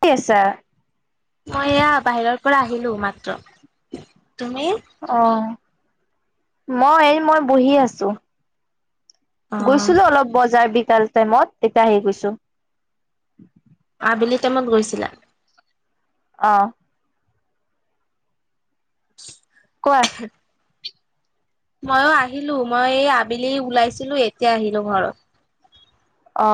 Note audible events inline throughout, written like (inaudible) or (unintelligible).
পছ মই এয়া বাহিৰৰ পৰা আহিলো মাত্ৰ তুমি অ মই এই মই বহি আছো অ গৈছিলো অলপ বজাৰ বিকাল টাইমত তেতিয়া আহি গৈছো আবেলি টাইমত গৈছিলা অ কোৱা ময়ো আহিলো মই আবেলি ওলাইছিলো এতিয়া আহিলো ঘৰত অ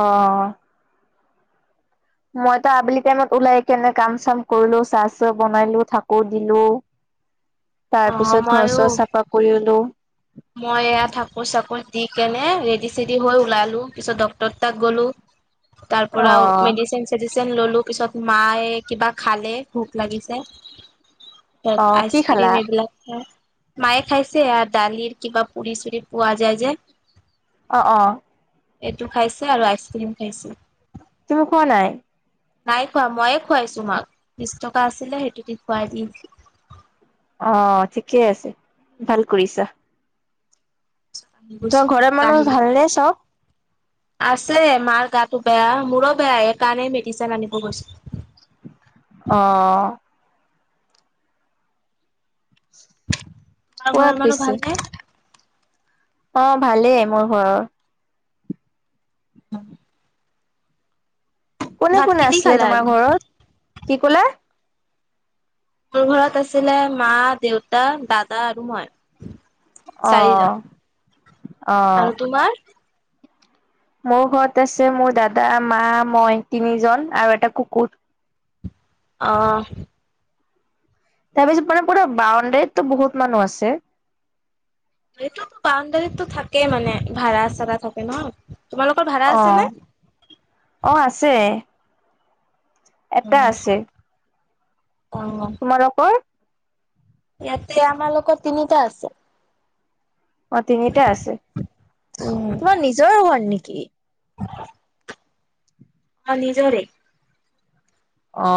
মইতো আবেলি টাইমত ওলাই কেনে কাম চাম কৰিলো চাহ চাহ বনাইলো থাকো দিলো তাৰ অ পিছত মইও ঘৰচৰ চাফা কৰিলো মই এয়া থাকো চাকো দি কেনে ৰেডি চেডি হৈ ওলালো পিছত ডক্টৰ তাত গ'লো তাৰ অ পৰাৰা মেডিচিন চেডিচিন ললো তাৰ পিছত মায়ে কিবা খালে ভোক লাগিছে ত অ আইচ কি ক্ৰীম খালা এইবিলাক খাই মায়ে খাইছে আৰু দালিৰ কিবা পুৰি চুৰি পোৱা যায় যে অ অ এইটো খাইছে আৰু আইচ ক্ৰ্ৰীম খাইছে তুমি কোৱা নাই নাই খোৱা ময়ে খুৱাইছো মাক বিশ টকা আছিলে সেইটো দি খুৱাই দিয়ি অ ঠিকে আছে ভাল কৰিছা আহি চ গৈছো ঘৰৰ মানুহ আহিলো ভালনেে চব আছে মাৰ গাটো বেয়া মোৰো বেয়া স কাৰণেই মেডিচিন আনিব গৈছো অ আ কোৱা ঘৰ মানুহ পিছে ভাল নাই অ ভালেই মোৰ ঘৰৰ উম কোনে কোনে কি দি আছিলে খালা আজি তোমাৰ ঘৰত কি কলা মোৰ ঘৰত আছিলে মা দেউতা দাদা আৰু মই চাৰিজন অ', অ', আৰু তোমাৰ মোৰ ঘৰত আছে মোৰ দাদা মা মই তিনিজন আৰু এটা কুকুৰ আহ তাৰপিছত মানে পৰা বাউণ্ডাৰীত তো বহুত মানুহ আছে এইটোতো বাউণ্ডাৰীতো থাকেই মানে ভাড়া চাড়া থাকে নহ তোমালোকৰ ভাড়া আছে অ', নে অ', আছে এটা আছে অ তোমালোকৰ ইয়াতে আমাৰালোকৰ তিনিটা আছে অ তিনিটা আছে তোমাৰ নিজৰ ঘৰ নেকি হয় অ নিজৰে অ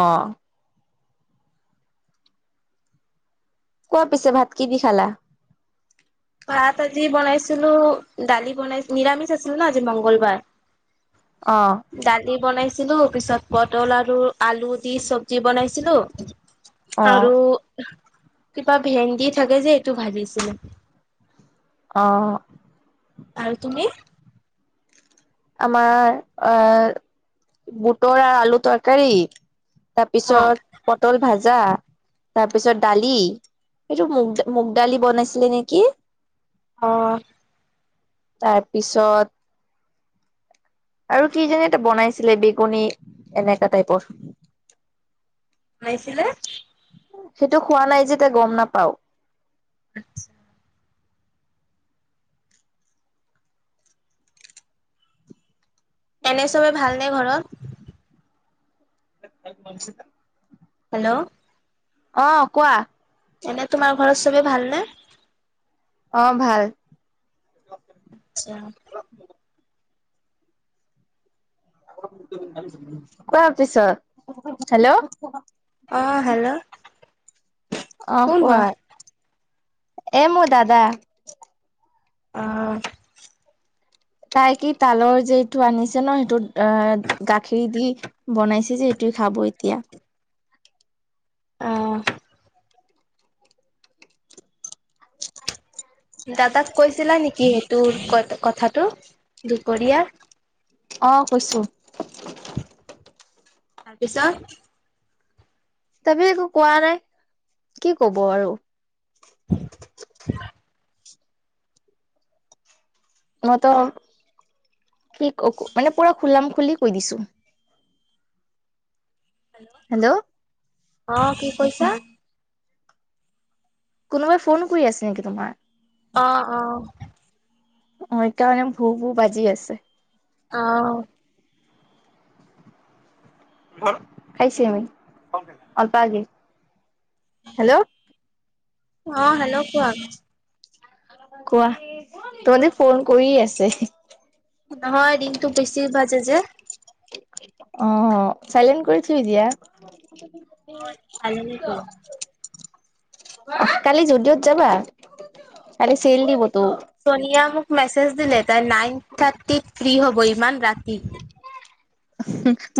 কোৱা পিছে ভাত কি দি খালা ভাত আজি বনাইছিলো দালি বনাই নিৰামিষ আছিল ন আজি মংগলবাৰ অ', ডালি বনাইছিলো পিছত পটল আৰু আলু দি চব্জি বনাইছিলো অ', আৰু কিবা ভেন্দি থাকে যে এইটো ভাজিছিলে অ আৰু তুমি আমাৰ আহ বুটৰ আৰু আলু তৰকাৰী তাৰ অ পিছত পটল ভাজা তাৰপিছত দালি এইটো মুগ মুগ দালি বনাইছিলে নেকি অ তাৰ পিছত আৰু কি যে এটা বনাইছিলে বেগনি এনেকোৱা টাইপৰ বনাইছিলে সেইটো হোৱা নাই যে তই গম নাপাও আত্ছা এনে চবে ভালনে ঘৰত (unintelligible) হেল্ল' অ কোৱা এনে তোমাৰ ঘৰত চবেই ভালনে অ ভাল আচ্ছা কোৱাৰ পিছত হেল্ল' অ হেল্ল' আহ কোন কোৱা হয় এমো দাদা অ তাই কি তালৰ যিটো আনিছে ন সেইটোত অ গাখৰি দি বনাইছে যেটো খাব এতিয়া অ (unintelligible) দাদাক কৈছিলা নেকি সেইটো ক কথাটো দুপৰীয়া আহ কৈছো তাৰপিছত তাৰপিছত একো কোৱা নাই কি কব আৰু মই ত কি মানে পুৰা খলাম খুলি কৈ দিছো হেল্ল অ কি কৈছা কোনোবাই ফোন কৰি আছে নেকি তোমাৰ অ অ অ সেইকাৰণে ভু ভু বাজি আছে আহ খাইছমি অলপে হেল্ল' অ হেল্ল' কোৱা কোৱা তোমাল ফোন কৰি আছে নহয় দিনটো বেছি বাজে যে অ চাইলেণ্ট কৰি থি দতিিয়া কালিলৈ কৰিম। ক কালি যদিঅ'ত যাবা কালি চেল দিব ছোনিয়া মোক মেছেজ দিলে তাই নাইন থাৰ্টিত ফ্ৰী হ'ব ইমান ৰাতি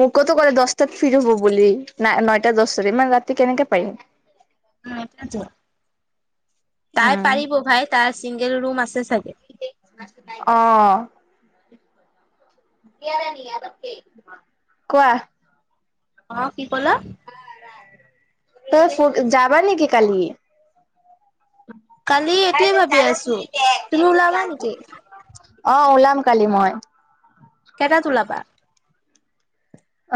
মোকোতো ক'লে দহটাত ফিৰ হব বুলি ন নটাত দহটাৰে ইমান ৰাতি কেনেকে পাৰিম তাই উম পাৰিব ভাই তাৰ চিংগল ৰুম আছে চাগে ন কোৱা অ কি ক'লা তই যাবা নেকি কালি কালি এইটোয়ে ভাবি আছো ন তুমি ওলাবা নেকি অ উলাবা কালি মই কেটাত ওলাবা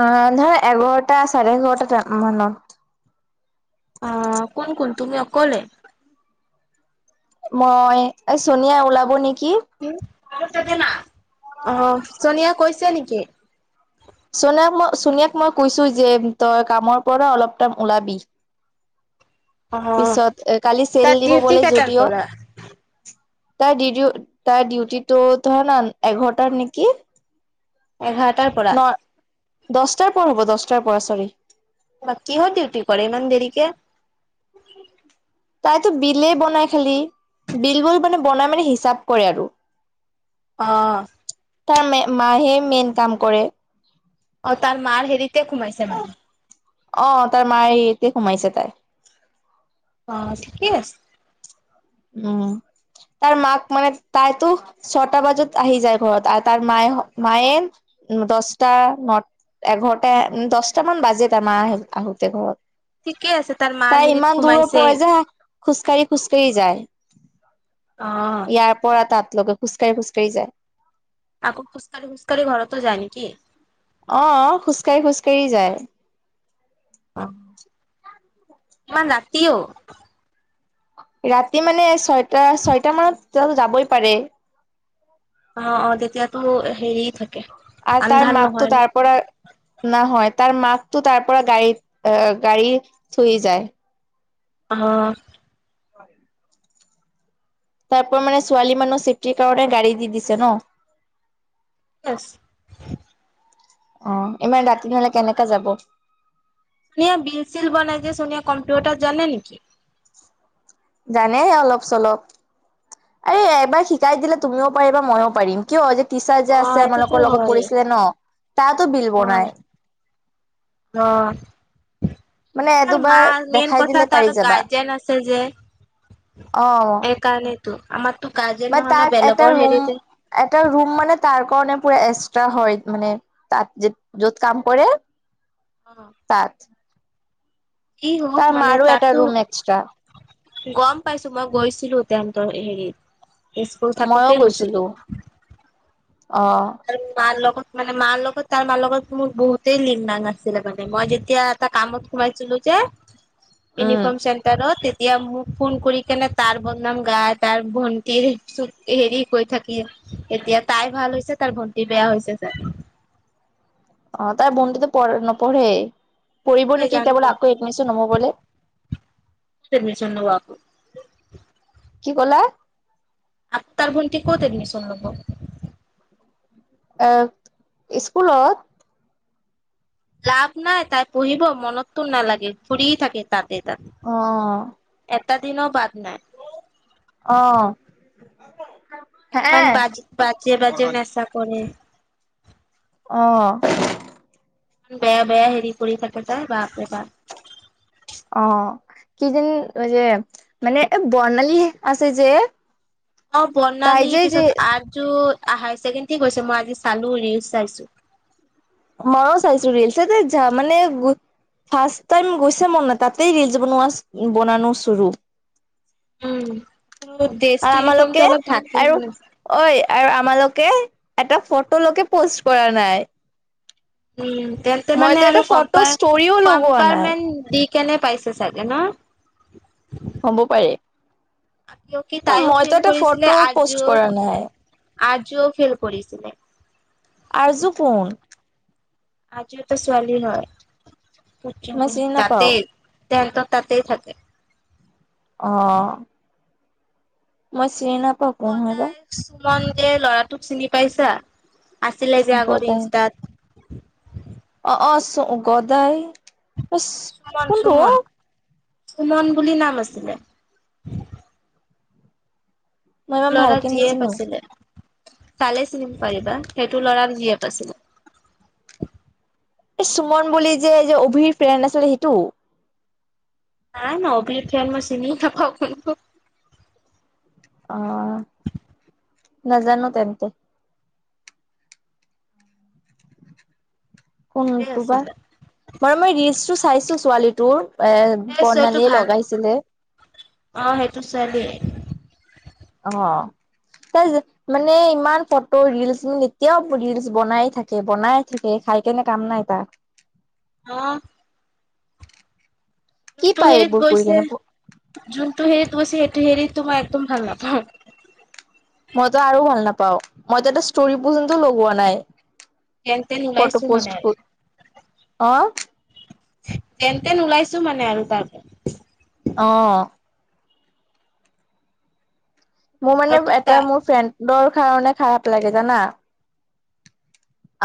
অ ধৰ এঘাৰটা চাৰে এঘাৰটা মানত অ কোন কোন তুমি অকলে মই চোনিয়া ওলাব নেকি আহ চনিয়া কৈছে নেকি চোনিয়াক মই ছোনিয়াক মই কৈছো যে তই কামৰ পৰা অলপ টাইম ওলাবি অ পিছত এ কালি চেল তাত দিব ডিউটি বোলে কেইটাৰ যদিও পৰা তাৰ ডিউ তাৰ ডিউটিটো ধৰা ন এঘাৰটাৰ নেকি এঘাৰটাৰ পৰা দছটাৰ পৰা হ'ব দহটাৰ পৰা চৰি বা কিহত ডিউটি কৰে ইমান দেৰিকে তাইতো বিলেই বনাই খালি বিল বোৰ মানে বনাই মানে হিচাপ কৰে আৰু অ তাৰ মাহে মেইন কাম কৰে অ তাৰ মাৰ হেৰিতে সোমাইছে মানে অ তাই মায়েতে সোমাইছে তাই অ ঠিকেই আছে উম তাৰ মাক মানে তাইতো ছটা বজাত আহি যায় ঘৰত আৰু তাৰ মায়ে মায়ে দহটা ন এঘাৰটা দহটাামান বাজে তাৰ মা আহোতে ঘৰত ঠিকে আছে তাৰ মাৰ তাই হেৰিত ইমান দূৰৰ সোমাইছে পৰে যে খোজকাঢ়ি খোজ কঢ়ি যায় অ ইয়াৰ পৰা তাত লৈকে খোজকাঢ়ি খোজ কাঢ়ি যায় আাকৌ খুজকাহি খোজকাঢ়ি ঘৰতো যায় নেকি অ খোজকাঢ়ি খোজ কাঢ়ি যায় অ ইমান ৰাতিও ৰাতি মানে ছয়টা ছয়টা মানত যাবই পাৰে অ অ তেতিয়াতো হেৰিয় থাকে আৰু তাৰ আন্ধাৰ মাকটো নহয় ন তাৰ পৰা ন হয় তাৰ মাক টো তাৰ পৰা গাড়ীত গাড়ী থুই যায় আহ হয় তাৰ পৰা মানে ছোৱালী মানুহ ছেফটিৰ কাৰণে গাড়ী দি দিছে ন বছ আহ ইমান ৰাতিহলে কেনেকা যাব চোনিয়া বিল চিল বনাই যে চোনিয়া কম্পিউটাৰ জানেকি জানে অলপ চলপ এই এবাৰ শিকাই দিলে তুমিও পাৰিবা ময়ো পাৰিম কিয় টি চাৰ্ট অ যে আছে এইটোতো আমালোকৰ লগত হয় পৰিছিলে ন তাতো বিল ব নাই আহ মানে তাৰ দুবাৰ মাৰ মেইন দেখাই কথা দিলে পাৰি তাৰ যাবা গাৰ্জেন আছে যে একাৰ নে ম তাত এটা ৰুম হেৰিতে এটা ৰুম মানে তাৰ কাৰণে পুৰা এক্সট্ৰা হয় মানে তাত য য'ত কাম কৰে তাত কি হওক তাৰ মানে মাৰো এটা তাততো ৰুম এক্সট্ৰা গম পাইছো মই গৈছিলো তেতৰ হেৰিত ইস্কুল থাকোতেই গৈছিলো অ বাৰ লোক মানে মাৰ লগত তাৰ মাৰ লগত মোৰ বহুতেই লীন নাং আছিলে মানে মই যেতিয়া এটা কামত সোমাইছিলো উম ইউনিফাৰৰ্ম চেণ্টাৰ তে ইয়া মোক ফোন কৰি কেনে তাৰ বদনাম গাই তাৰ ভণ্টিৰ হেৰি কৈ থাকি এতিয়া তাই ভাল হৈছে তাৰ ভন্টি বেয়া হৈছে ছাৰ আহ তাৰ বোনটোতো নপহেই পৰিব ছাৰ নেকি জানো এতিয়া বোলে ক'ত আকৌ এডমিছন হব বোলে এডমিশন লব আকৌ কি কলা আপ তাৰ ভণ্টি ক'ত এডমিছন ল'ব এ স্কুলত লাভ নাই তাই পঢ়িব মনততো নালাগে ঘুৰি থাকে তাতেই তাতে অ', এটা দিনো বাদ নাই অ হে ইমান বাজ বাজে বাজে নচা কৰে আহ ইমান বেয়া বেয়া হেৰি কৰি থাকে তাই বাপ বে বাাৰ কি যে যে মানে বৰ্ণালী আছে যে অ তাই বনালি যে যে পিছত আজু আহ হায় চছেকেণ্ড কৈছে মই আজি চালো ৰি চাইছো ময়ো চাইছো ৰিলচ য মানে ফাৰ্ষ্ট টাইম গৈছে মন তাতেই ৰিলচ বনোৱা বনানো চৰু উম আৰু ড্ৰেছটো ইউনিফৰ্মটো আমালোকে অলপ ঢাকি আৰু মানে ঐ আৰু আমালোকে এটা ফটো লোকে পোষ্ট কৰা নাই উম তেন্তে মানে মইতো আৰু এটা কম ফটো ষ্টৰিও লগোৱা নাই কম্পাৰমেন্ট দি কেনে পাইছে চাগে ন হ'ব পাৰে আয়কি অ', তাইও মইতো ফেল এটা কৰিছিলে ফটো পষ্ট কৰা আৰজু নাই। আজিও ফেল কৰিছিলে আজু ক আজি ত ছোৱালী ন কু মই কু চিনি নাপাও ততেতে তেেত তাতেই থাকে অ মই চৰি নাপা কওঁ নয়বাৰ মন যে ল'ৰাটোক চিনি পাইছা আছিলে যে আগত গদাই ইনষ্টাত অ অ চো গদায় সুমন কোনটো সুমন সুমন বুলি নাম আছিলে মই ইমান লৰা ভালকে যিয়ে নিচিনো পাইছিলে তালে চিনিম পাৰিবা সেইটো লৰাক জে প আছিলো এই সুমন বুলি যে যে অভিৰ ফ্ৰেণ্ড আছিলে সেইটো নাই ন অব খাল মই চিনি নাপওঁ অ নজাৰ নো তে তে কোনটোোবা আছিলে বাৰু মই ৰিলচটো চাইছো ছোৱালীটোৰ এৰ এই চোৱাটো প্ৰণালীয়ে ভাল নহয়। লগাইছিলে অ সেইটো ছোৱালী অ ত মানে ইমান ফটো ৰিলচ মানে এতিয়াও ৰিলচ বনাই থাকে বনাই থাকে খাই কেনেে কাম নাই ত আহ কি যোনটো পায় হেৰিত এইবোৰ কৰি গৈছে কেনে যোনটো হেৰিত তমাৰ সেইটো হেৰি তোমাৰ একদম ভাল লাগ পাও মইো এটা ষ্টৰি পন্ত লগোৱা নাই যেন তেন ফটো ওলাইছো মানে পোষ্ট আৰু আহ তেন তেন ওলাইছো মানে আৰু তাৰপ অ মোৰ মানে আৰু এটা মোৰ ফ্ৰেণ্ডৰ কাৰণে খাৰাপ লাগে জানা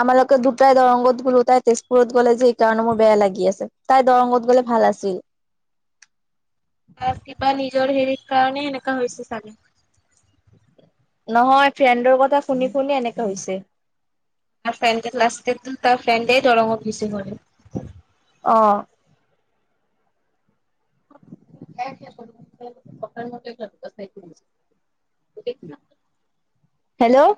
আমাৰালোকে দুটাই দৰংগত গোলো তাই তেজপুৰত গ'লে যে এইকাৰণে মোৰ বেয়া লাগি আছে তাই দৰংত গলে ভাল আছিল কিবা নিজৰ হেৰিত কাৰণে সেনেককাা হৈছে চাগে নহয় ফ্ৰেণ্ডৰ কথা শুনি শুনি এনেকাে হৈছে ত ফ্ৰেণ্ডে লাষ্টে তাৰ ফ্ৰেণ্ডাই দৰঙত ভিচি প অ ক ম হেল্ল'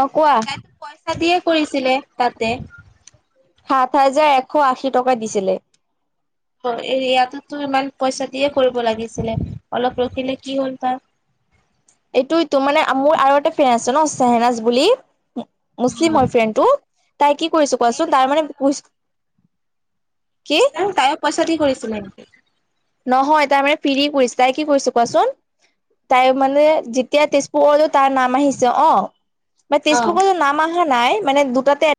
অ কোৱা তাইতো পইচা দিয়ে কৰিছিলে তাতে সাত হাজাৰ এশ আশী টকা দিছিলে অ ইয়াতোতো ইমান পইচা দিয়ে কৰিব লাগিছিলে অলপ ৰখিল কি হ'ল তাৰ এইটোইটো মানে মোৰ আৰু এটা ফ্ৰেণ্ড আছে ন চ্বেহেনাজ বুলি মুছলিম হয় ফ্ৰেণ্ড টো তাই কি কৰিছো মেইন কোৱাচোন তাৰ মানে কি তাই পইচা দি কৰিছিলে এেকি নহয় তাই মানে ফৰি কৰিছে তাই কি কৰিছ কোৱাচোন তাই মানে যেতিয়া তেজপুৰলেও তাৰ নাম আহিছে অ মান অ'। তেজপুৰ কতো নাম আহহা নাই মানে দুটাতে